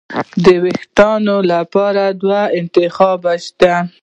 د وېښتانو لپاره دوه انتخابه شته.